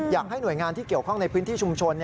อยากให้หน่วยงานที่เกี่ยวข้องในพื้นที่ชุมชน